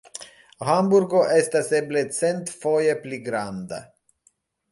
Hamburgo estas eble centfoje pli granda.